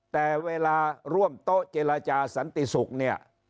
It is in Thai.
แต่เวลาร่วมโต๊ะเจรจาสันติศุกร์เนี่ย